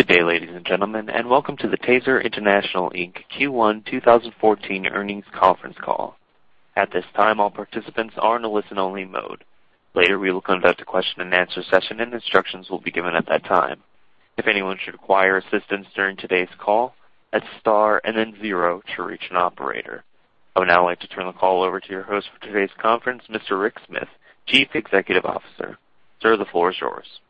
Good day, ladies and gentlemen, and welcome to the TASER International, Inc. Q1 2014 earnings conference call. At this time, all participants are in a listen-only mode. Later, we will conduct a question-and-answer session, and instructions will be given at that time. If anyone should require assistance during today's call, hit star and then zero to reach an operator. I would now like to turn the call over to your host for today's conference, Mr. Rick Smith, Chief Executive Officer. Sir, the floor is yours.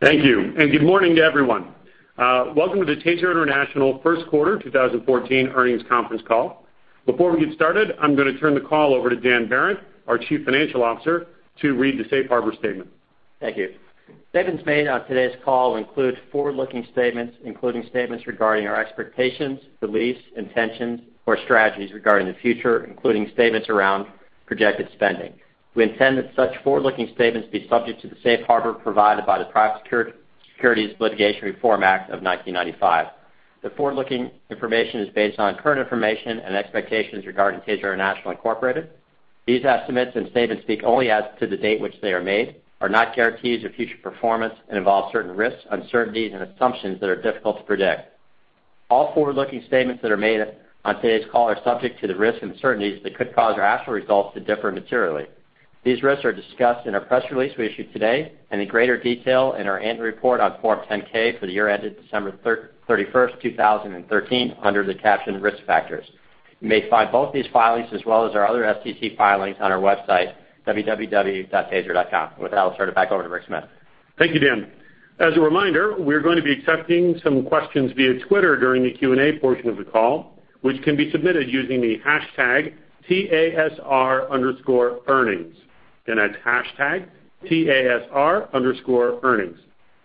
Thank you, and good morning to everyone. Welcome to the TASER International first quarter 2014 earnings conference call. Before we get started, I'm going to turn the call over to Dan Behrendt, our Chief Financial Officer, to read the safe harbor statement. Thank you. Statements made on today's call include forward-looking statements, including statements regarding our expectations, beliefs, intentions, or strategies regarding the future, including statements around projected spending. We intend that such forward-looking statements be subject to the safe harbor provided by the Private Securities Litigation Reform Act of 1995. The forward-looking information is based on current information and expectations regarding TASER International Incorporated. These estimates and statements speak only as to the date which they are made, are not guarantees of future performance, and involve certain risks, uncertainties, and assumptions that are difficult to predict. All forward-looking statements that are made on today's call are subject to the risks and uncertainties that could cause our actual results to differ materially. These risks are discussed in our press release we issued today, and in greater detail in our annual report on Form 10-K for the year ended December 31st, 2013, under the caption Risk Factors. You may find both these filings as well as our other SEC filings on our website, www.taser.com. With that, I'll turn it back over to Rick Smith. Thank you, Dan. As a reminder, we're going to be accepting some questions via Twitter during the Q&A portion of the call, which can be submitted using the hashtag TASR_earnings. Again, that's TASR_earnings.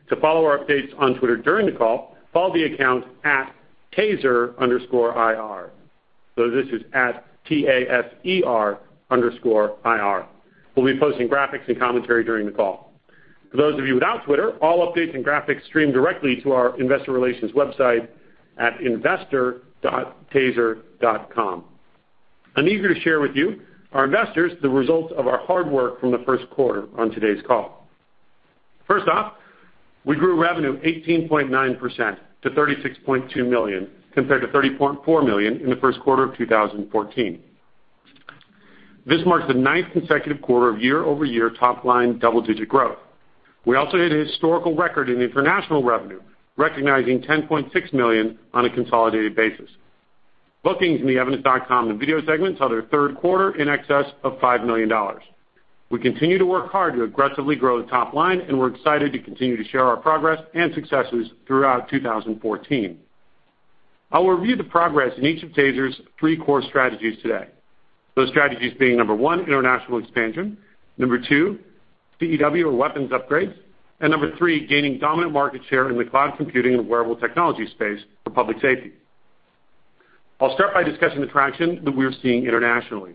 To follow our updates on Twitter during the call, follow the account @TASER_IR. This is @TASER_IR. We'll be posting graphics and commentary during the call. For those of you without Twitter, all updates and graphics stream directly to our investor relations website at investor.taser.com. I'm eager to share with you, our investors, the results of our hard work from the first quarter on today's call. First off, we grew revenue 18.9% to $36.2 million, compared to $30.4 million in the first quarter of 2014. This marks the ninth consecutive quarter of year-over-year top-line double-digit growth. We also hit a historical record in international revenue, recognizing $10.6 million on a consolidated basis. Bookings in the Evidence.com and video segments held their third quarter in excess of $5 million. We continue to work hard to aggressively grow the top line, and we're excited to continue to share our progress and successes throughout 2014. I will review the progress in each of TASER's three core strategies today. Those strategies being, number one, international expansion, number two, CEW or weapons upgrades, and number three, gaining dominant market share in the cloud computing and wearable technology space for public safety. I'll start by discussing the traction that we are seeing internationally.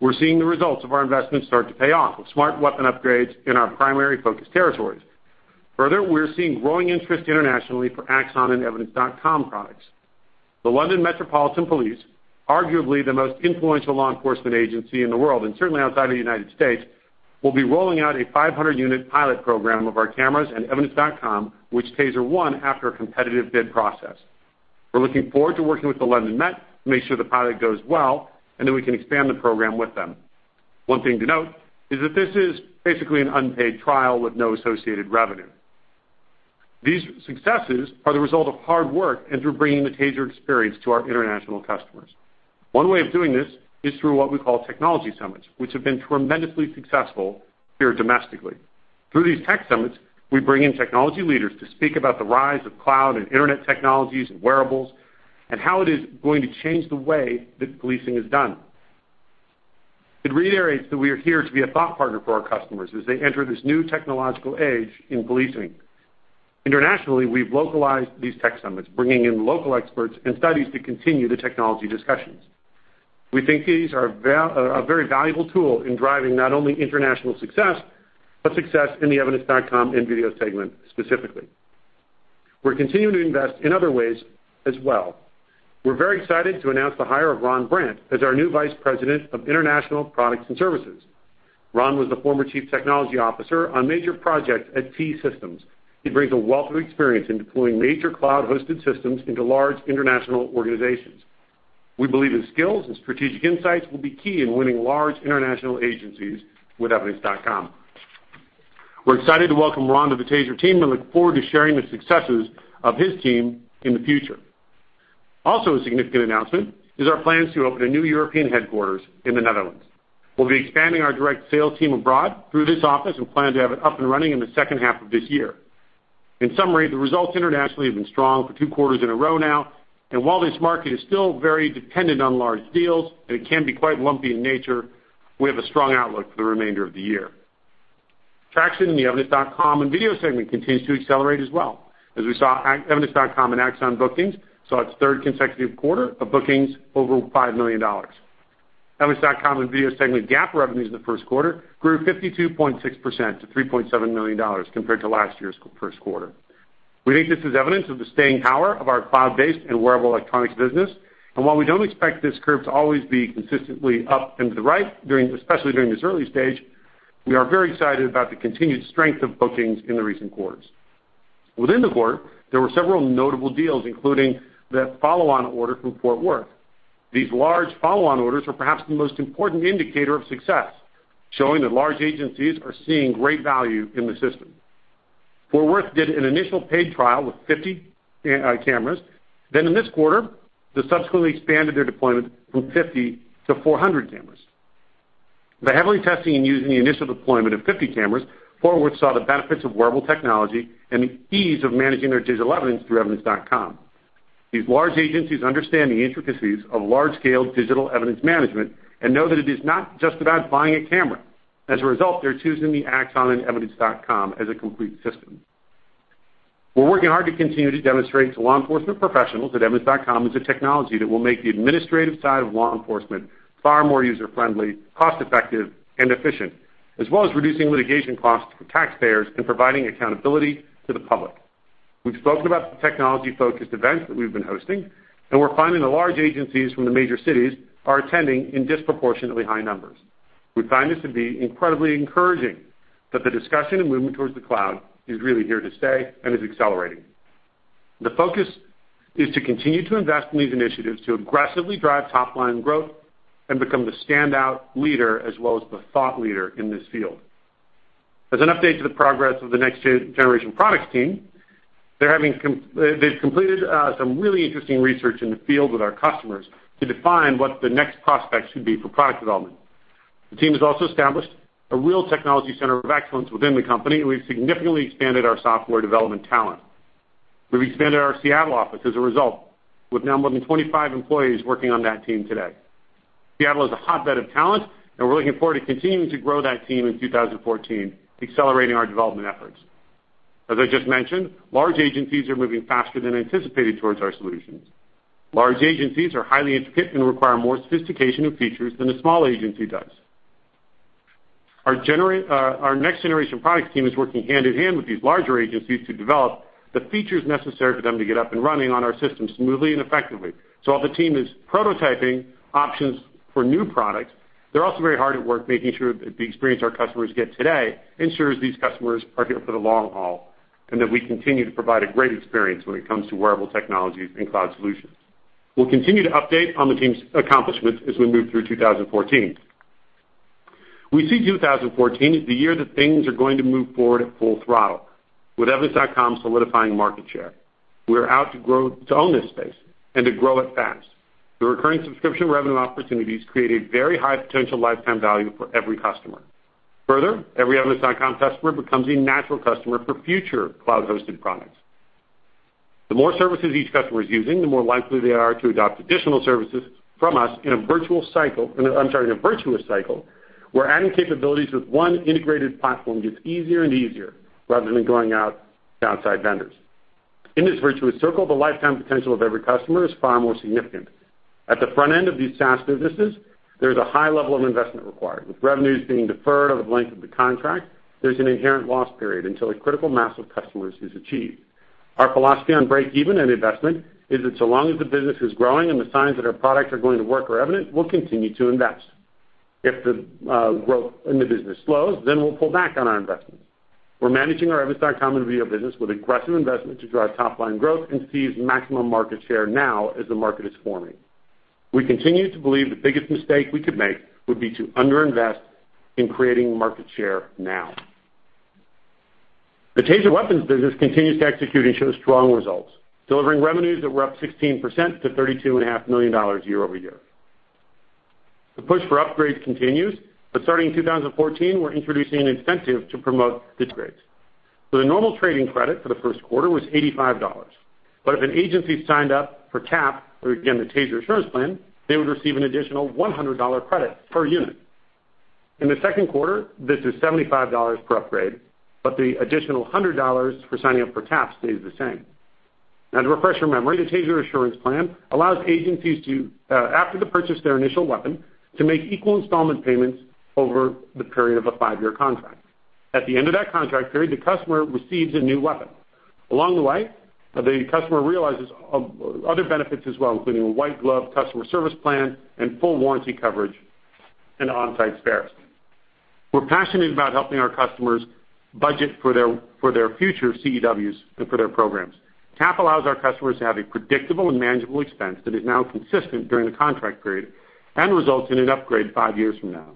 We're seeing the results of our investments start to pay off with Smart Weapon upgrades in our primary focus territories. Further, we're seeing growing interest internationally for Axon and Evidence.com products. The London Metropolitan Police, arguably the most influential law enforcement agency in the world, and certainly outside of the U.S., will be rolling out a 500-unit pilot program of our cameras and Evidence.com, which TASER won after a competitive bid process. We're looking forward to working with the London Met to make sure the pilot goes well and that we can expand the program with them. One thing to note is that this is basically an unpaid trial with no associated revenue. These successes are the result of hard work and through bringing the TASER experience to our international customers. One way of doing this is through what we call technology summits, which have been tremendously successful here domestically. Through these tech summits, we bring in technology leaders to speak about the rise of cloud and internet technologies and wearables and how it is going to change the way that policing is done. It reiterates that we are here to be a thought partner for our customers as they enter this new technological age in policing. Internationally, we've localized these tech summits, bringing in local experts and studies to continue the technology discussions. We think these are a very valuable tool in driving not only international success but success in the Evidence.com and video segment specifically. We're continuing to invest in other ways as well. We're very excited to announce the hire of Ron Brandt as our new Vice President of International Products and Services. Ron was the former Chief Technology Officer on major projects at T-Systems. He brings a wealth of experience in deploying major cloud-hosted systems into large international organizations. We believe his skills and strategic insights will be key in winning large international agencies with Evidence.com. We're excited to welcome Ron to the TASER team and look forward to sharing the successes of his team in the future. Also, a significant announcement is our plans to open a new European headquarters in the Netherlands. We'll be expanding our direct sales team abroad through this office and plan to have it up and running in the second half of this year. In summary, the results internationally have been strong for two quarters in a row now. While this market is still very dependent on large deals, and it can be quite lumpy in nature, we have a strong outlook for the remainder of the year. Traction in the Evidence.com and video segment continues to accelerate as well. As we saw, Evidence.com and Axon bookings saw its third consecutive quarter of bookings over $5 million. Evidence.com and video segment GAAP revenues in the first quarter grew 52.6% to $3.7 million compared to last year's first quarter. We think this is evidence of the staying power of our cloud-based and wearable electronics business. While we don't expect this curve to always be consistently up and to the right, especially during this early stage. We are very excited about the continued strength of bookings in the recent quarters. Within the quarter, there were several notable deals, including the follow-on order from Fort Worth. These large follow-on orders are perhaps the most important indicator of success, showing that large agencies are seeing great value in the system. Fort Worth did an initial paid trial with 50 cameras. Then in this quarter, they subsequently expanded their deployment from 50 to 400 cameras. By heavily testing and using the initial deployment of 50 cameras, Fort Worth saw the benefits of wearable technology and the ease of managing their digital evidence through Evidence.com. These large agencies understand the intricacies of large-scale digital evidence management and know that it is not just about buying a camera. As a result, they're choosing the Axon and Evidence.com as a complete system. We're working hard to continue to demonstrate to law enforcement professionals that Evidence.com is a technology that will make the administrative side of law enforcement far more user-friendly, cost-effective, and efficient, as well as reducing litigation costs for taxpayers and providing accountability to the public. We've spoken about the technology-focused events that we've been hosting, and we're finding that large agencies from the major cities are attending in disproportionately high numbers. We find this to be incredibly encouraging that the discussion and movement towards the cloud is really here to stay and is accelerating. The focus is to continue to invest in these initiatives to aggressively drive top-line growth and become the standout leader as well as the thought leader in this field. As an update to the progress of the next-generation products team, they've completed some really interesting research in the field with our customers to define what the next prospect should be for product development. The team has also established a real technology center of excellence within the company, and we've significantly expanded our software development talent. We've expanded our Seattle office as a result, with now more than 25 employees working on that team today. Seattle is a hotbed of talent, and we're looking forward to continuing to grow that team in 2014, accelerating our development efforts. As I just mentioned, large agencies are moving faster than anticipated towards our solutions. Large agencies are highly intricate and require more sophistication of features than a small agency does. Our next-generation products team is working hand-in-hand with these larger agencies to develop the features necessary for them to get up and running on our system smoothly and effectively. While the team is prototyping options for new products, they're also very hard at work making sure that the experience our customers get today ensures these customers are here for the long haul, and that we continue to provide a great experience when it comes to wearable technologies and cloud solutions. We'll continue to update on the team's accomplishments as we move through 2014. We see 2014 as the year that things are going to move forward at full throttle, with Evidence.com solidifying market share. We are out to own this space and to grow it fast. The recurring subscription revenue opportunities create a very high potential lifetime value for every customer. Further, every Evidence.com customer becomes a natural customer for future cloud-hosted products. The more services each customer is using, the more likely they are to adopt additional services from us in a virtuous cycle, where adding capabilities with one integrated platform gets easier and easier rather than going out to outside vendors. In this virtuous circle, the lifetime potential of every customer is far more significant. At the front end of these SaaS businesses, there is a high level of investment required. With revenues being deferred over the length of the contract, there's an inherent loss period until a critical mass of customers is achieved. Our philosophy on break-even and investment is that so long as the business is growing and the signs that our products are going to work are evident, we'll continue to invest. If the growth in the business slows, then we'll pull back on our investments. We're managing our Evidence.com and video business with aggressive investment to drive top-line growth and seize maximum market share now as the market is forming. We continue to believe the biggest mistake we could make would be to under-invest in creating market share now. The TASER weapons business continues to execute and show strong results, delivering revenues that were up 16% to $32.5 million year-over-year. The push for upgrades continues, but starting in 2014, we're introducing an incentive to promote the upgrades. The normal trade-in credit for the first quarter was $85. If an agency signed up for TAP, or again, the TASER Assurance Plan, they would receive an additional $100 credit per unit. In the second quarter, this is $75 per upgrade, but the additional $100 for signing up for TAP stays the same. To refresh your memory, the TASER Assurance Program allows agencies, after the purchase of their initial weapon, to make equal installment payments over the period of a five-year contract. At the end of that contract period, the customer receives a new weapon. Along the way, the customer realizes other benefits as well, including a white glove customer service plan and full warranty coverage and on-site spares. We're passionate about helping our customers budget for their future CEWs and for their programs. TASER Assurance Plan allows our customers to have a predictable and manageable expense that is now consistent during the contract period and results in an upgrade 5 years from now.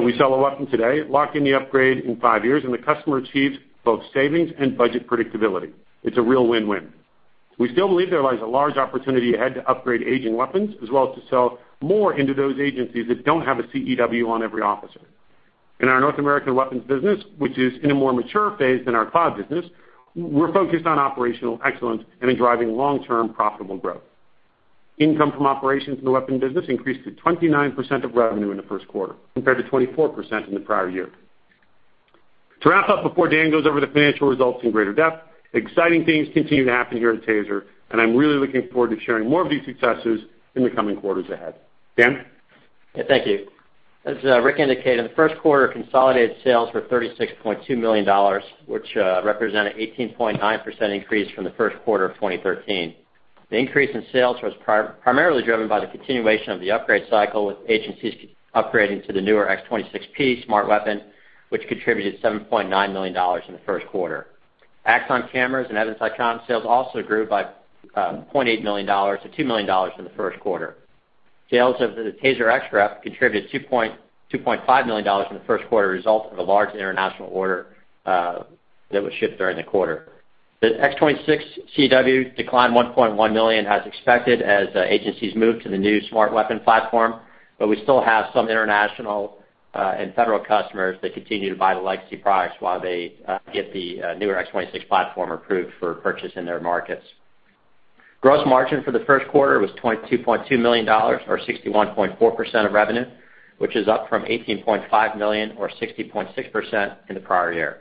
We sell a weapon today, lock in the upgrade in 5 years, and the customer achieves both savings and budget predictability. It's a real win-win. We still believe there lies a large opportunity ahead to upgrade aging weapons, as well as to sell more into those agencies that don't have a CEW on every officer. In our North American weapons business, which is in a more mature phase than our cloud business, we're focused on operational excellence and in driving long-term profitable growth. Income from operations in the weapon business increased to 29% of revenue in the first quarter, compared to 24% in the prior year. To wrap up before Dan goes over the financial results in greater depth, exciting things continue to happen here at TASER, and I'm really looking forward to sharing more of these successes in the coming quarters ahead. Dan? Yeah, thank you. As Rick indicated, in the first quarter, consolidated sales were $36.2 million, which represented 18.9% increase from the first quarter of 2013. The increase in sales was primarily driven by the continuation of the upgrade cycle, with agencies upgrading to the newer X26P Smart Weapon, which contributed $7.9 million in the first quarter. Axon cameras and Evidence.com sales also grew by $0.8 million to $2 million in the first quarter. Sales of the TASER XREP contributed $2.5 million in the first quarter, a result of a large international order that was shipped during the quarter. The X26CW declined $1.1 million as expected as agencies moved to the new Smart Weapon platform, but we still have some international and federal customers that continue to buy the legacy products while they get the newer X26 platform approved for purchase in their markets. Gross margin for the first quarter was $22.2 million or 61.4% of revenue, which is up from $18.5 million or 60.6% in the prior year.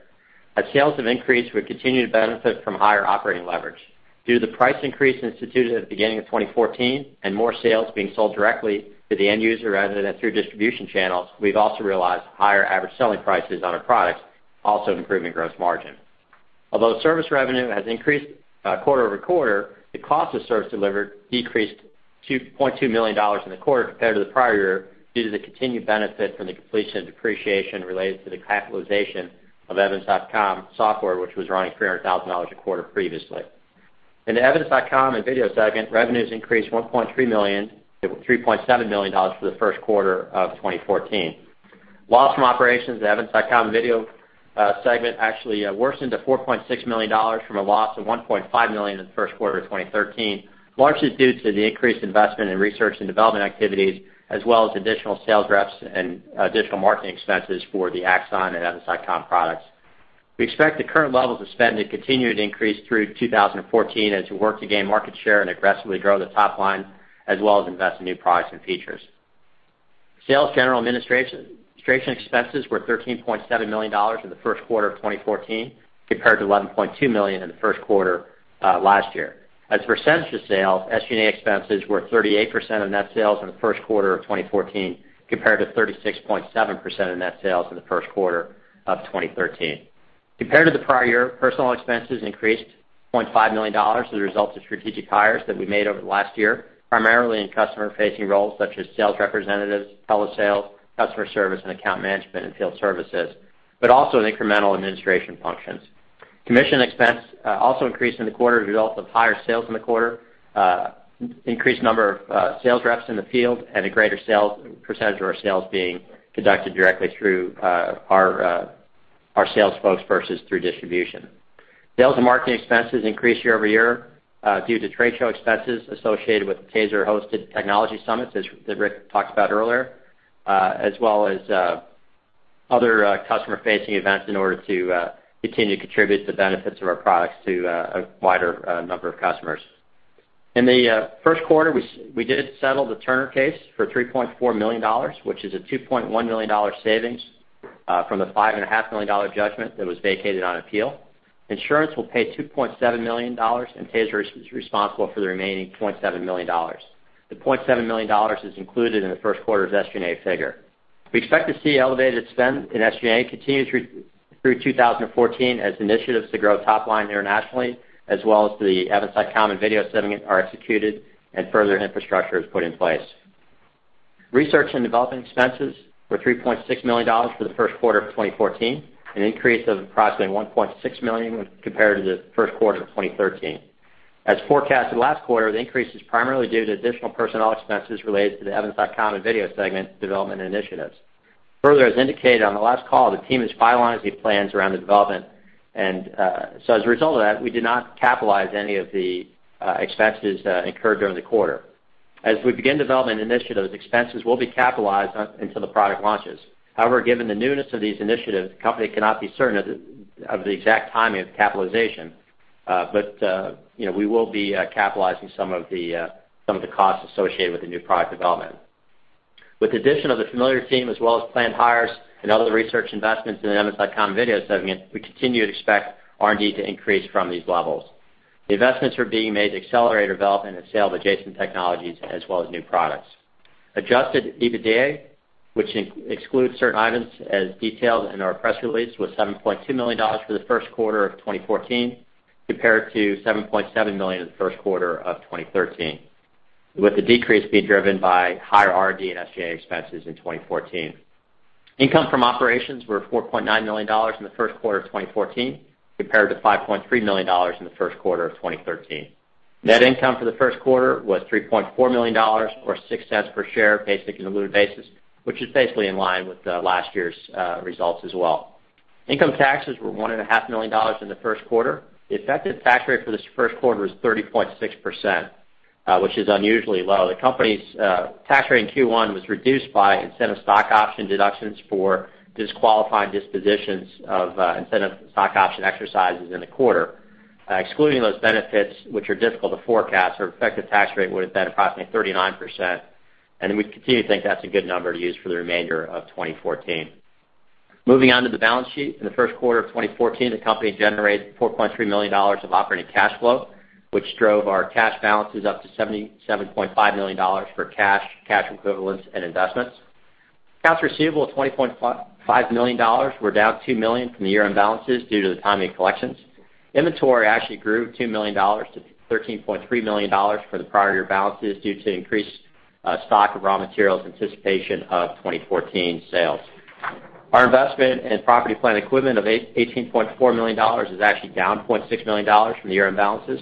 As sales have increased, we've continued to benefit from higher operating leverage. Due to the price increase instituted at the beginning of 2014 and more sales being sold directly to the end user rather than through distribution channels, we've also realized higher average selling prices on our products, also improving gross margin. Although service revenue has increased quarter-over-quarter, the cost of service delivered decreased $2.2 million in the quarter compared to the prior year due to the continued benefit from the completion of depreciation related to the capitalization of Evidence.com software, which was running $300,000 a quarter previously. In the Evidence.com and Video segment, revenues increased $1.3 million to $3.7 million for the first quarter of 2014. Loss from operations at Evidence.com and Video Segment actually worsened to $4.6 million from a loss of $1.5 million in the first quarter of 2013, largely due to the increased investment in research and development activities, as well as additional sales reps and additional marketing expenses for the Axon and Evidence.com products. We expect the current levels of spend to continue to increase through 2014 as we work to gain market share and aggressively grow the top line, as well as invest in new products and features. Sales General Administration expenses were $13.7 million in the first quarter of 2014 compared to $11.2 million in the first quarter last year. As a percentage of sales, SG&A expenses were 38% of net sales in the first quarter of 2014 compared to 36.7% of net sales in the first quarter of 2013. Compared to the prior year, personnel expenses increased $0.5 million as a result of strategic hires that we made over the last year, primarily in customer-facing roles such as sales representatives, telesales, customer service, and account management and field services, but also in incremental administration functions. Commission expense also increased in the quarter as a result of higher sales in the quarter, increased number of sales reps in the field, and a greater percentage of our sales being conducted directly through our sales folks versus through distribution. Sales and marketing expenses increased year-over-year due to trade show expenses associated with the TASER-hosted technology summits, as Rick talked about earlier, as well as other customer-facing events in order to continue to contribute the benefits of our products to a wider number of customers. In the first quarter, we did settle the Turner case for $3.4 million, which is a $2.1 million savings from the $5.5 million judgment that was vacated on appeal. Insurance will pay $2.7 million, and TASER is responsible for the remaining $0.7 million. The $0.7 million is included in the first quarter's SG&A figure. We expect to see elevated spend in SG&A continue through 2014 as initiatives to grow top line internationally, as well as the Evidence.com and Video Segment are executed and further infrastructure is put in place. Research and development expenses were $3.6 million for the first quarter of 2014, an increase of approximately $1.6 million when compared to the first quarter of 2013. As forecasted last quarter, the increase is primarily due to additional personnel expenses related to the Evidence.com and Video Segment development initiatives. Further, as indicated on the last call, the team is finalizing plans around the development. As a result of that, we did not capitalize any of the expenses incurred during the quarter. As we begin development initiatives, expenses will be capitalized until the product launches. However, given the newness of these initiatives, the company cannot be certain of the exact timing of capitalization. We will be capitalizing some of the costs associated with the new product development. With the addition of the Familiar team as well as planned hires and other research investments in the Evidence.com and Video Segment, we continue to expect R&D to increase from these levels. The investments are being made to accelerate development and sale of adjacent technologies as well as new products. Adjusted EBITDA, which excludes certain items as detailed in our press release, was $7.2 million for the first quarter of 2014 compared to $7.7 million in the first quarter of 2013, with the decrease being driven by higher R&D and SG&A expenses in 2014. Income from operations were $4.9 million in the first quarter of 2014 compared to $5.3 million in the first quarter of 2013. Net income for the first quarter was $3.4 million, or $0.06 per share, basic and diluted basis, which is basically in line with last year's results as well. Income taxes were $1.5 million in the first quarter. The effective tax rate for this first quarter was 30.6%, which is unusually low. The company's tax rate in Q1 was reduced by incentive stock option deductions for disqualifying dispositions of incentive stock option exercises in the quarter. Excluding those benefits, which are difficult to forecast, our effective tax rate would have been approximately 39%, and we continue to think that's a good number to use for the remainder of 2014. Moving on to the balance sheet. In the first quarter of 2014, the company generated $4.3 million of operating cash flow, which drove our cash balances up to $77.5 million for cash equivalents, and investments. Accounts receivable of $20.5 million were down $2 million from the year-end balances due to the timing of collections. Inventory actually grew $2 million to $13.3 million for the prior year balances due to increased stock of raw materials in anticipation of 2014 sales. Our investment in property, plant, and equipment of $18.4 million is actually down $0.6 million from the year-end balances,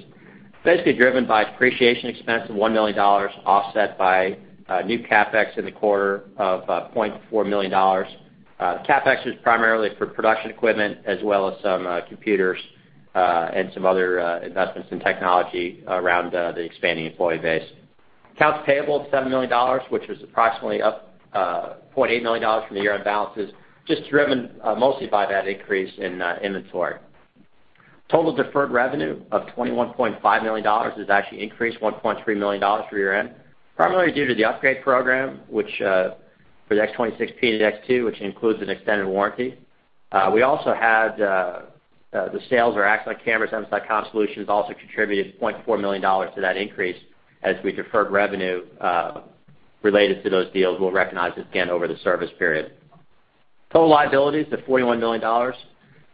basically driven by depreciation expense of $1 million, offset by new CapEx in the quarter of $0.4 million. CapEx is primarily for production equipment as well as some computers, and some other investments in technology around the expanding employee base. Accounts payable of $7 million, which was approximately up $0.8 million from the year-end balances, just driven mostly by that increase in inventory. Total deferred revenue of $21.5 million has actually increased $1.3 million from year-end, primarily due to the upgrade program, which for the X26P and X2, which includes an extended warranty. We also had the sales of Axon cameras and Axon solutions also contributed $0.4 million to that increase as we deferred revenue related to those deals. We'll recognize this again over the service period. Total liabilities of $41 million,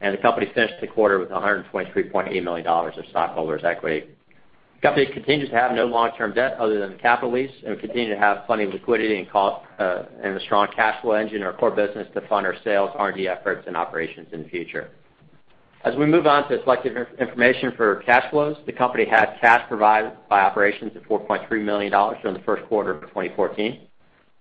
and the company finished the quarter with $123.8 million of stockholders' equity. The company continues to have no long-term debt other than the capital lease and continue to have plenty of liquidity and a strong cash flow engine in our core business to fund our sales, R&D efforts, and operations in the future. As we move on to selective information for cash flows, the company had cash provided by operations of $4.3 million during the first quarter of 2014.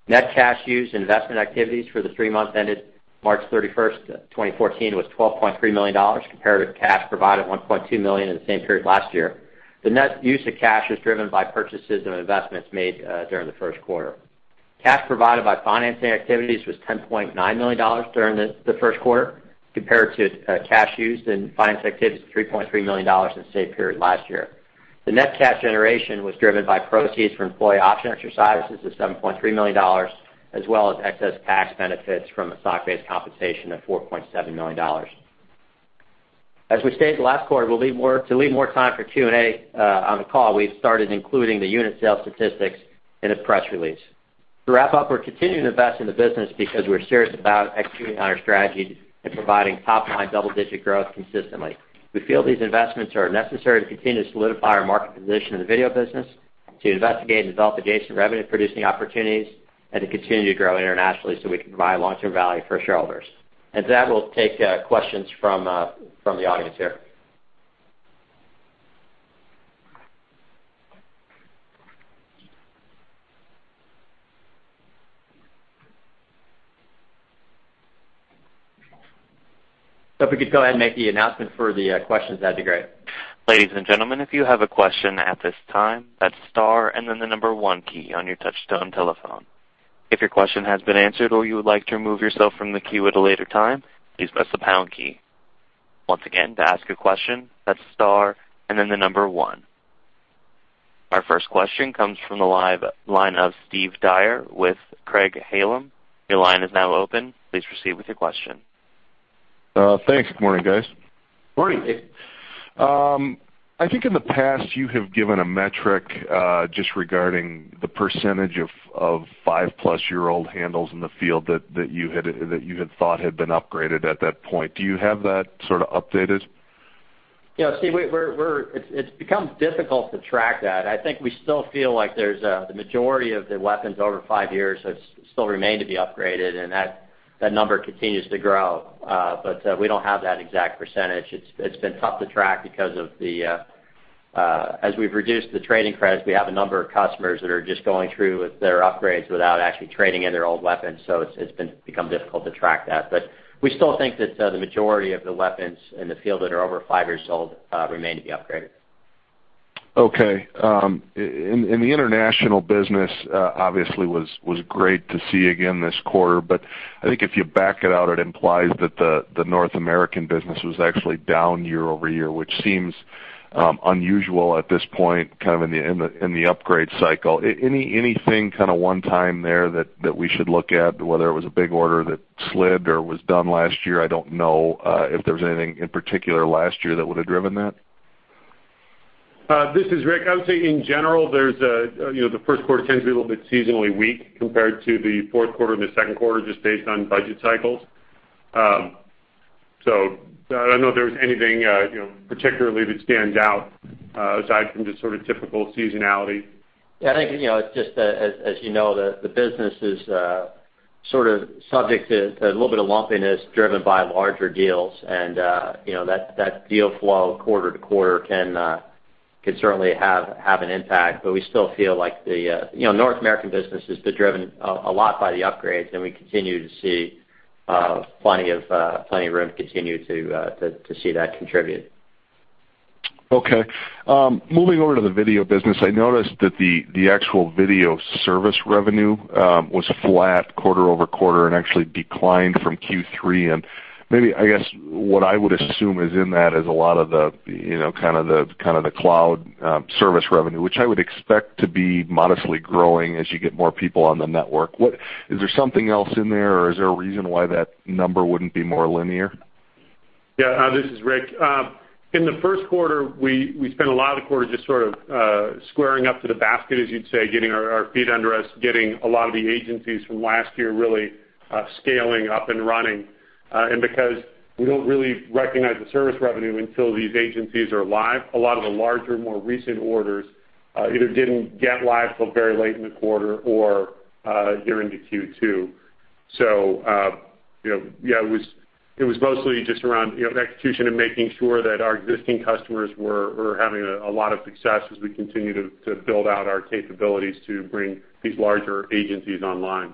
Net cash used in investment activities for the three months ended March 31st, 2014, was $12.3 million, compared with cash provided, $1.2 million, in the same period last year. The net use of cash was driven by purchases and investments made during the first quarter. Cash provided by financing activities was $10.9 million during the first quarter, compared to cash used in financing activities of $3.3 million in the same period last year. The net cash generation was driven by proceeds from employee option exercises of $7.3 million, as well as excess tax benefits from stock-based compensation of $4.7 million. As we stated last quarter, to leave more time for Q&A on the call, we've started including the unit sales statistics in a press release. To wrap up, we're continuing to invest in the business because we're serious about executing on our strategy and providing top-line double-digit growth consistently. We feel these investments are necessary to continue to solidify our market position in the video business, to investigate and develop adjacent revenue-producing opportunities, and to continue to grow internationally so we can provide long-term value for shareholders. With that, we'll take questions from the audience here. If we could go ahead and make the announcement for the questions, that'd be great. Ladies and gentlemen, if you have a question at this time, that's star and then the number 1 key on your touchtone telephone. If your question has been answered or you would like to remove yourself from the queue at a later time, please press the pound key. Once again, to ask a question, that's star and then the number 1. Our first question comes from the live line of Steve Dyer with Craig-Hallum. Your line is now open. Please proceed with your question. Thanks. Good morning, guys. Morning, Steve. I think in the past, you have given a metric, just regarding the percentage of five-plus-year-old handles in the field that you had thought had been upgraded at that point. Do you have that sort of updated? Yeah, Steve, it's become difficult to track that. I think we still feel like the majority of the weapons over five years still remain to be upgraded, and that number continues to grow. We don't have that exact percentage. It's been tough to track because as we've reduced the trade-in credits, we have a number of customers that are just going through with their upgrades without actually trading in their old weapons. It's become difficult to track that. We still think that the majority of the weapons in the field that are over five years old remain to be upgraded. Okay. The international business, obviously, was great to see again this quarter, but I think if you back it out, it implies that the North American business was actually down year-over-year, which seems unusual at this point, kind of in the upgrade cycle. Anything kind of one-time there that we should look at, whether it was a big order that slid or was done last year? I don't know if there was anything in particular last year that would have driven that. This is Rick. I would say in general, the first quarter tends to be a little bit seasonally weak compared to the fourth quarter and the second quarter, just based on budget cycles. I don't know if there was anything particularly that stands out aside from just sort of typical seasonality. I think, just as you know, the business is sort of subject to a little bit of lumpiness driven by larger deals, and that deal flow quarter-to-quarter can certainly have an impact. We still feel like the North American business has been driven a lot by the upgrades, and we continue to see plenty of room to continue to see that contribute. Okay. Moving over to the video business, I noticed that the actual video service revenue was flat quarter-over-quarter and actually declined from Q3. Maybe, I guess, what I would assume is in that is a lot of the kind of the cloud service revenue, which I would expect to be modestly growing as you get more people on the network. Is there something else in there, or is there a reason why that number wouldn't be more linear? Yeah. This is Rick. In the first quarter, we spent a lot of the quarter just sort of squaring up to the basket, as you'd say, getting our feet under us, getting a lot of the agencies from last year really scaling up and running. Because we don't really recognize the service revenue until these agencies are live, a lot of the larger, more recent orders either didn't get live till very late in the quarter or here into Q2. It was mostly just around execution and making sure that our existing customers were having a lot of success as we continue to build out our capabilities to bring these larger agencies online.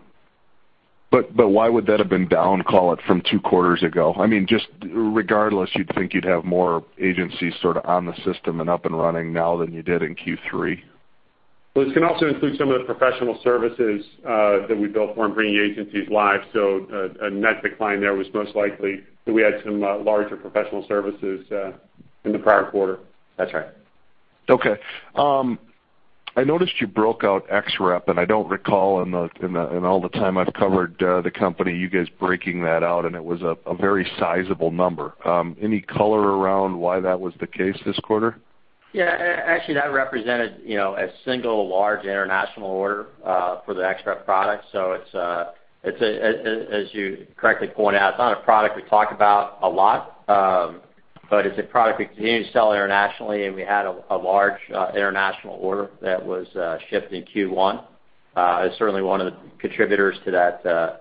Why would that have been down, call it, from two quarters ago? Just regardless, you'd think you'd have more agencies sort of on the system and up and running now than you did in Q3. This can also include some of the professional services that we built for bringing agencies live. A net decline there was most likely that we had some larger professional services in the prior quarter. That's right. I noticed you broke out XREP, and I don't recall in all the time I've covered the company, you guys breaking that out, and it was a very sizable number. Any color around why that was the case this quarter? Actually, that represented a single large international order for the XREP product. As you correctly point out, it's not a product we talk about a lot. It's a product we continue to sell internationally, and we had a large international order that was shipped in Q1. It's certainly one of the contributors to that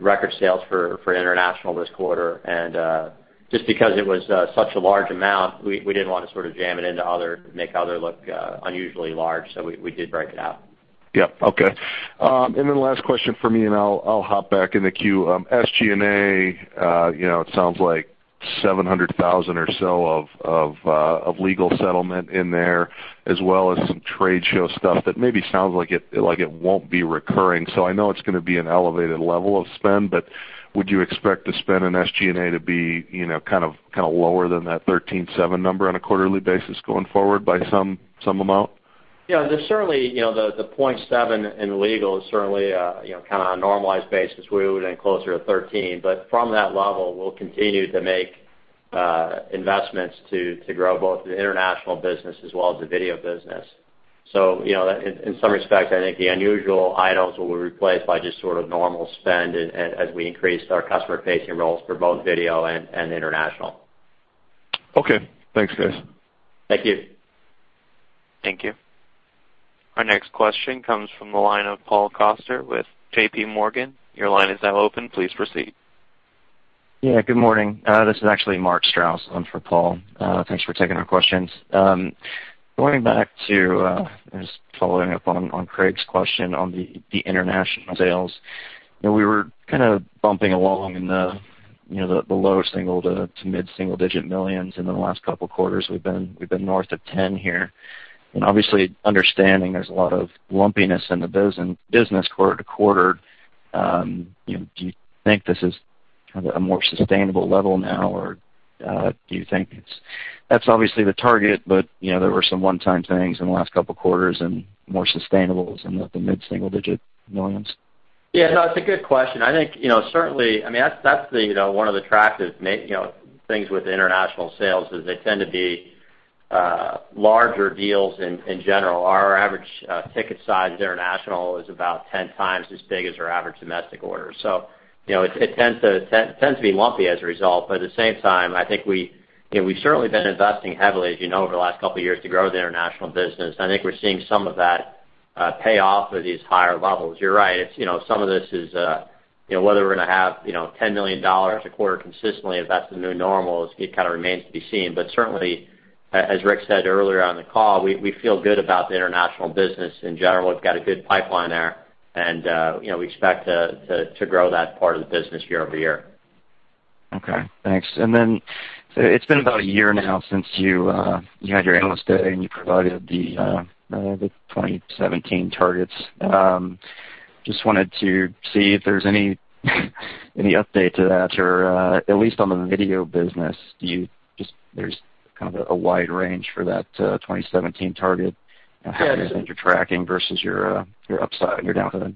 record sales for international this quarter. Just because it was such a large amount, we didn't want to sort of jam it into other, make other look unusually large, we did break it out. Yep. Okay. Last question from me, I'll hop back in the queue. SG&A, it sounds like $700,000 or so of legal settlement in there, as well as some trade show stuff that maybe sounds like it won't be recurring. I know it's going to be an elevated level of spend, but would you expect the spend in SG&A to be kind of lower than that $13.7 number on a quarterly basis going forward by some amount? Yeah. The $0.7 in legal is certainly, kind of on a normalized basis, we would've been closer to $13. From that level, we'll continue to make investments to grow both the international business as well as the video business. In some respects, I think the unusual items will be replaced by just sort of normal spend as we increase our customer-facing roles for both video and international. Okay. Thanks, guys. Thank you. Thank you. Our next question comes from the line of Paul Coster with JPMorgan. Your line is now open. Please proceed. Yeah, good morning. This is actually Mark Strouse in for Paul. Thanks for taking our questions. Going back to, just following up on Craig's question on the international sales. We were kind of bumping along in the lower single to mid-single digit millions. In the last couple of quarters, we've been north of $10 million here. Obviously understanding there's a lot of lumpiness in the business quarter-to-quarter, do you think this is kind of a more sustainable level now? Or, do you think that's obviously the target, but there were some one-time things in the last couple of quarters and more sustainables in the mid-single digit millions. Yeah. No, it's a good question. I think, certainly, that's one of the attractive things with international sales, is they tend to be larger deals in general. Our average ticket size international is about 10 times as big as our average domestic order. It tends to be lumpy as a result. At the same time, I think we've certainly been investing heavily, as you know, over the last couple of years to grow the international business. I think we're seeing some of that pay off with these higher levels. You're right. Whether we're going to have $10 million a quarter consistently, if that's the new normal, it kind of remains to be seen. Certainly, as Rick said earlier on the call, we feel good about the international business in general. We've got a good pipeline there, we expect to grow that part of the business year-over-year. Okay, thanks. It's been about a year now since you had your analyst day, and you provided the 2017 targets. Just wanted to see if there's any update to that, or at least on the video business. There's kind of a wide range for that 2017 target. Yes. How do you think you're tracking versus your upside and your downside?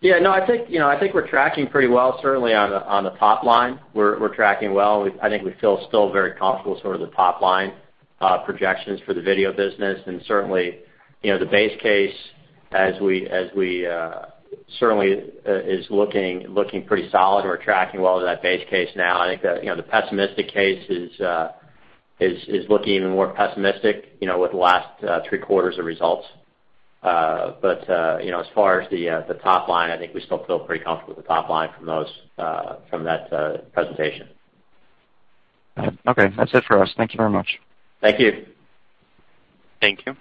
Yeah, no, I think we're tracking pretty well. Certainly on the top line, we're tracking well. I think we feel still very comfortable with sort of the top-line projections for the video business. Certainly, the base case certainly is looking pretty solid. We're tracking well to that base case now. I think the pessimistic case is looking even more pessimistic, with the last three quarters of results. As far as the top line, I think we still feel pretty comfortable with the top line from that presentation. Okay. That's it for us. Thank you very much. Thank you. Thank you.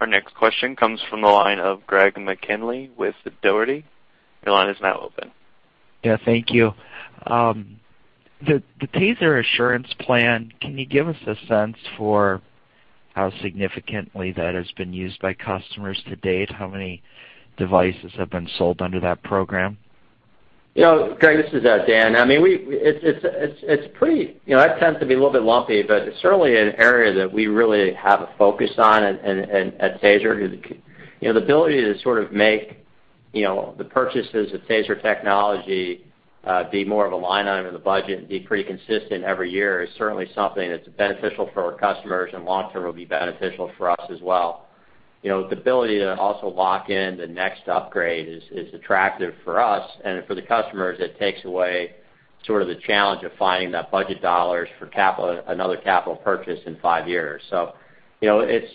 Our next question comes from the line of Greg McKinley with Dougherty. Your line is now open. Thank you. The TASER Assurance Plan, can you give us a sense for how significantly that has been used by customers to date? How many devices have been sold under that program? Greg, this is Dan. It tends to be a little bit lumpy, but it's certainly an area that we really have a focus on at TASER. The ability to sort of make the purchases of TASER technology be more of a line item in the budget and be pretty consistent every year is certainly something that's beneficial for our customers, and long-term will be beneficial for us as well. The ability to also lock in the next upgrade is attractive for us, and for the customers, it takes away sort of the challenge of finding that budget dollars for another capital purchase in five years. As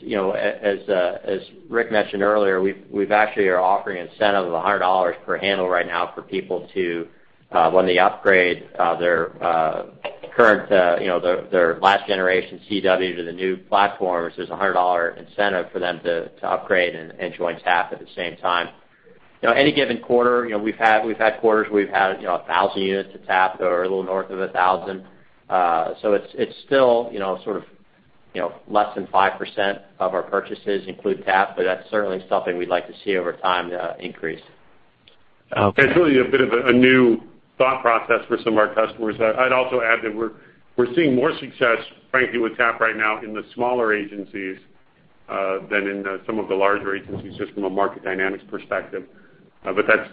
Rick mentioned earlier, we've actually are offering incentive of $100 per handle right now for people to, when they upgrade their last generation CEW to the new platform, there's $100 incentive for them to upgrade and join TAP at the same time. Any given quarter, we've had quarters where we've had 1,000 units of TAP or a little north of 1,000. It's still sort of less than 5% of our purchases include TAP, but that's certainly something we'd like to see over time increase. Okay. It's really a bit of a new thought process for some of our customers. I'd also add that we're seeing more success, frankly, with TAP right now in the smaller agencies, than in some of the larger agencies, just from a market dynamics perspective. That's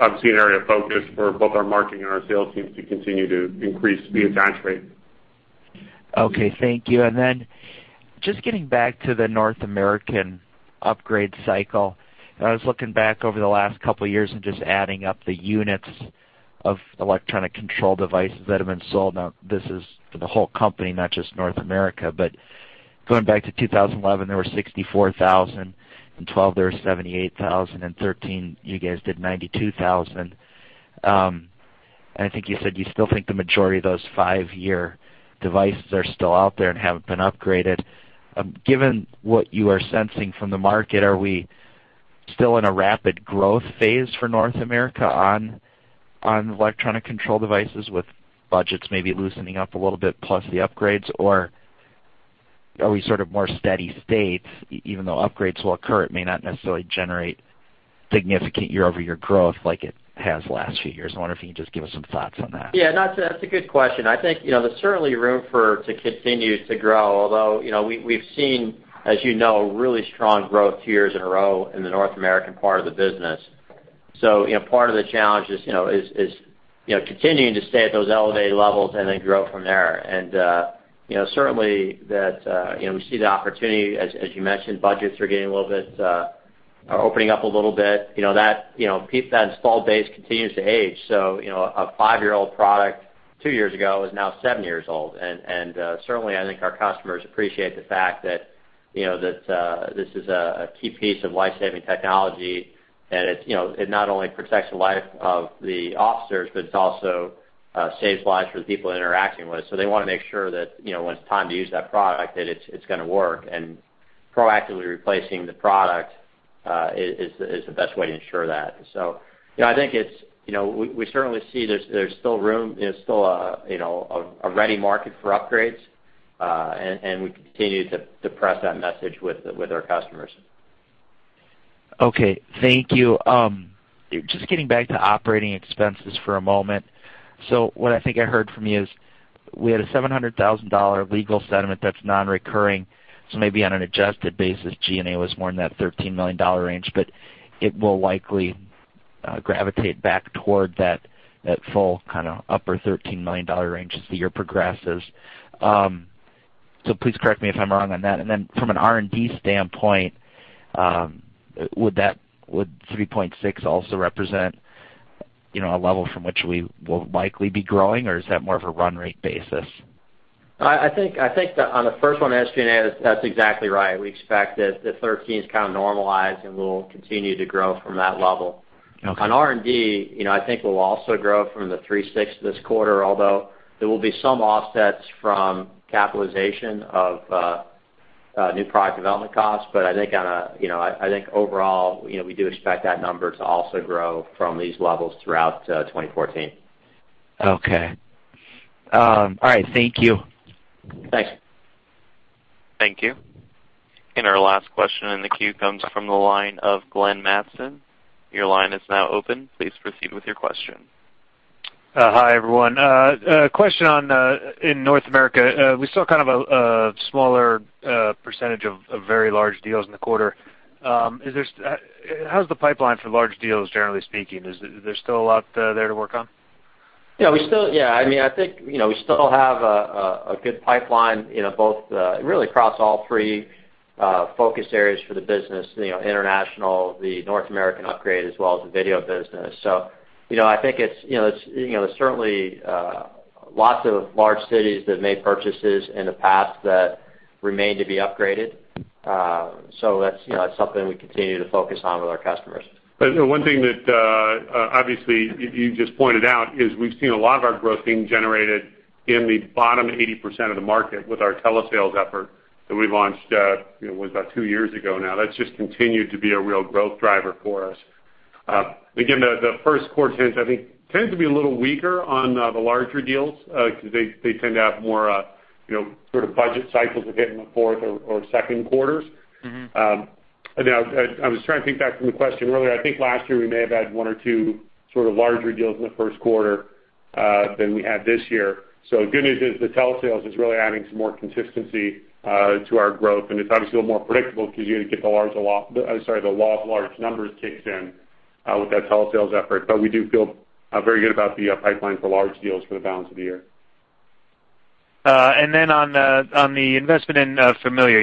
obviously an area of focus for both our marketing and our sales teams to continue to increase the attach rate. Okay, thank you. Then just getting back to the North American upgrade cycle, I was looking back over the last couple of years and just adding up the units of electronic control devices that have been sold. Now, this is for the whole company, not just North America. Going back to 2011, there were 64,000. In 2012 there were 78,000, in 2013 you guys did 92,000. I think you said you still think the majority of those five-year devices are still out there and haven't been upgraded. Given what you are sensing from the market, are we still in a rapid growth phase for North America on electronic control devices with budgets maybe loosening up a little bit, plus the upgrades, or are we sort of more steady state, even though upgrades will occur, it may not necessarily generate significant year-over-year growth like it has last few years? I wonder if you can just give us some thoughts on that. Yeah, that's a good question. I think there's certainly room for to continue to grow, although, we've seen, as you know, really strong growth years in a row in the North American part of the business. Part of the challenge is continuing to stay at those elevated levels and then grow from there. Certainly that we see the opportunity, as you mentioned, budgets are opening up a little bit. That installed base continues to age. So, a five-year-old product two years ago is now seven years old. Certainly, I think our customers appreciate the fact that this is a key piece of life-saving technology, and it not only protects the life of the officers, but it also saves lives for the people interacting with. They want to make sure that when it's time to use that product, that it's going to work, proactively replacing the product is the best way to ensure that. I think we certainly see there's still a ready market for upgrades, we continue to press that message with our customers. Okay, thank you. Just getting back to operating expenses for a moment. What I think I heard from you is we had a $700,000 legal settlement that's non-recurring. Maybe on an adjusted basis, G&A was more in that $13 million range, but it will likely gravitate back toward that full kind of upper $13 million range as the year progresses. Please correct me if I'm wrong on that. Then from an R&D standpoint, would 3.6 also represent a level from which we will likely be growing, or is that more of a run rate basis? I think on the first one, as G&A, that's exactly right. We expect that the 13 is kind of normalized, we'll continue to grow from that level. Okay. On R&D, I think we'll also grow from the $3.6 this quarter, although there will be some offsets from capitalization of new product development costs. I think overall, we do expect that number to also grow from these levels throughout 2014. Okay. All right, thank you. Thanks. Thank you. Our last question in the queue comes from the line of Glenn Mattson. Your line is now open. Please proceed with your question. Hi, everyone. A question on in North America, we saw kind of a smaller percentage of very large deals in the quarter. How's the pipeline for large deals, generally speaking? Is there still a lot there to work on? Yeah, I think we still have a good pipeline both really across all three focus areas for the business, international, the North American upgrade, as well as the video business. I think there's certainly lots of large cities that made purchases in the past that remain to be upgraded. That's something we continue to focus on with our customers. One thing that, obviously you just pointed out is we've seen a lot of our growth being generated in the bottom 80% of the market with our telesales effort that we launched, it was about two years ago now. That's just continued to be a real growth driver for us. Again, the first quarter tends, I think, to be a little weaker on the larger deals, because they tend to have more sort of budget cycles that hit in the fourth or second quarters. Now I was trying to think back from the question earlier. I think last year we may have had one or two sort of larger deals in the first quarter. Than we had this year. Good news is the telesales is really adding some more consistency to our growth, and it's obviously more predictable because you get the law of large numbers kicks in with that telesales effort. We do feel very good about the pipeline for large deals for the balance of the year. Then on the investment in Familiar,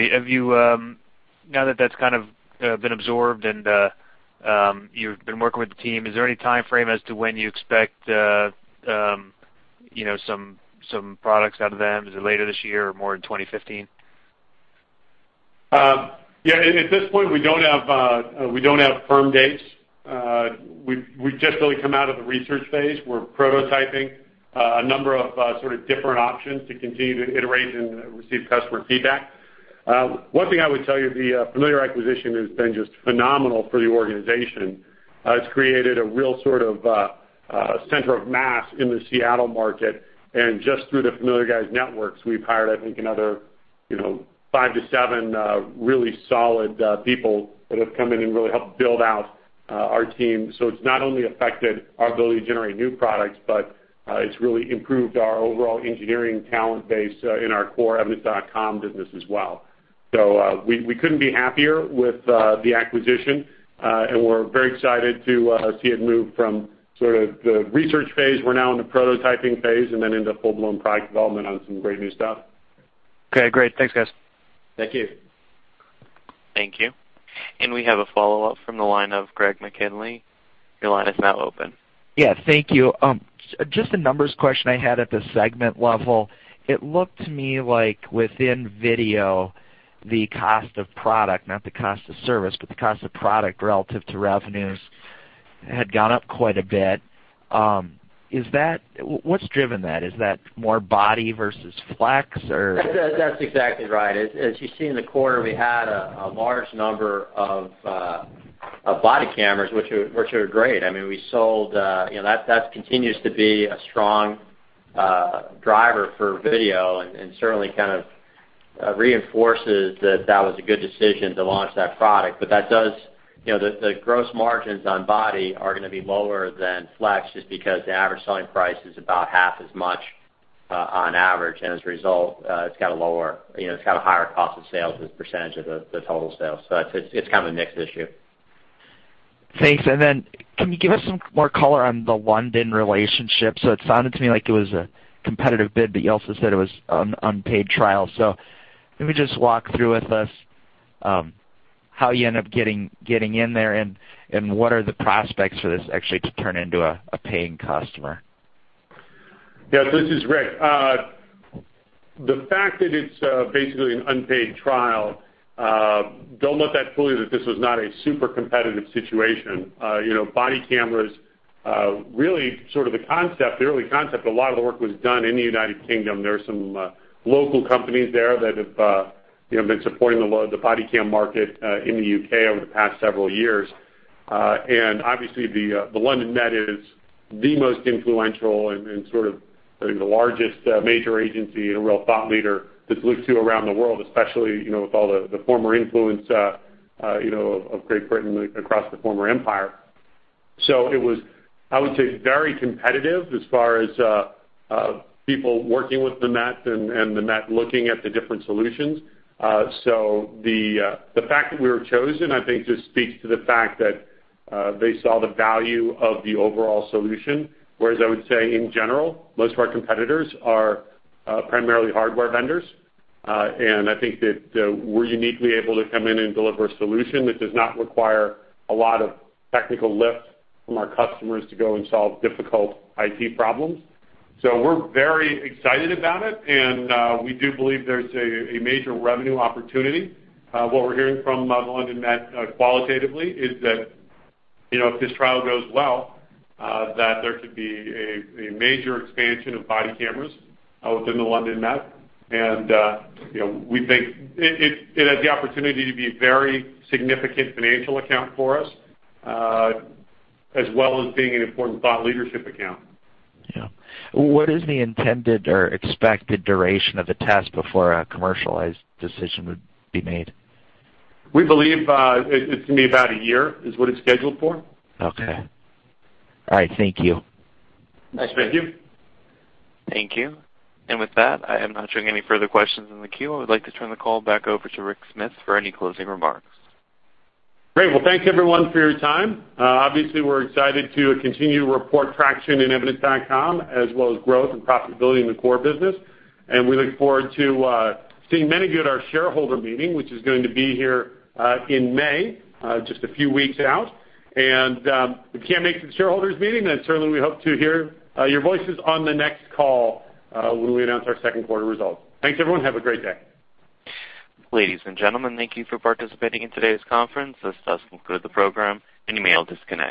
now that that's kind of been absorbed and you've been working with the team, is there any timeframe as to when you expect some products out of them? Is it later this year or more in 2015? Yeah. At this point, we don't have firm dates. We've just really come out of the research phase. We're prototyping a number of sort of different options to continue to iterate and receive customer feedback. One thing I would tell you, the Familiar acquisition has been just phenomenal for the organization. It's created a real sort of center of mass in the Seattle market. Just through the Familiar guys' networks, we've hired, I think, another five to seven really solid people that have come in and really helped build out our team. It's not only affected our ability to generate new products, but it's really improved our overall engineering talent base in our core Evidence.com business as well. We couldn't be happier with the acquisition. We're very excited to see it move from sort of the research phase, we're now in the prototyping phase, and then into full-blown product development on some great new stuff. Okay, great. Thanks, guys. Thank you. Thank you. We have a follow-up from the line of Greg McKinley. Your line is now open. Yeah, thank you. Just a numbers question I had at the segment level. It looked to me like within video, the cost of product, not the cost of service, but the cost of product relative to revenues had gone up quite a bit. What's driven that? Is that more Body versus Flex? That's exactly right. As you see in the quarter, we had a large number of Body cameras, which are great. That continues to be a strong driver for video and certainly kind of reinforces that that was a good decision to launch that product. The gross margins on Body are going to be lower than Flex, just because the average selling price is about half as much on average. As a result, it's got a higher cost of sales as a percentage of the total sales. It's kind of a mixed issue. Thanks. Then can you give us some more color on the London relationship? It sounded to me like it was a competitive bid, but you also said it was an unpaid trial. Maybe just walk through with us how you end up getting in there, and what are the prospects for this actually to turn into a paying customer? Yeah. This is Rick. The fact that it's basically an unpaid trial, don't let that fool you, that this was not a super competitive situation. Body cameras, really sort of the concept, the early concept, a lot of the work was done in the U.K. There are some local companies there that have been supporting the Body cam market in the U.K. over the past several years. Obviously, the London Met is the most influential and sort of the largest major agency and a real thought leader that's looked to around the world, especially, with all the former influence of Great Britain across the former empire. It was, I would say, very competitive as far as people working with the Met and the Met looking at the different solutions. The fact that we were chosen, I think, just speaks to the fact that they saw the value of the overall solution, whereas I would say in general, most of our competitors are primarily hardware vendors. I think that we're uniquely able to come in and deliver a solution that does not require a lot of technical lift from our customers to go and solve difficult IT problems. We're very excited about it, and we do believe there's a major revenue opportunity. What we're hearing from the London Met qualitatively is that if this trial goes well, that there could be a major expansion of Body cameras within the London Met. We think it has the opportunity to be a very significant financial account for us, as well as being an important thought leadership account. Yeah. What is the intended or expected duration of the test before a commercialized decision would be made? We believe it's going to be about a year, is what it's scheduled for. Okay. All right, thank you. Thank you. Thank you. With that, I am not showing any further questions in the queue. I would like to turn the call back over to Rick Smith for any closing remarks. Great. Well, thank you everyone for your time. Obviously, we're excited to continue to report traction in Evidence.com, as well as growth and profitability in the core business. We look forward to seeing many of you at our shareholder meeting, which is going to be here in May, just a few weeks out. If you can't make the shareholders meeting, certainly we hope to hear your voices on the next call when we announce our second quarter results. Thanks, everyone. Have a great day. Ladies and gentlemen, thank you for participating in today's conference. This does conclude the program. You may all disconnect.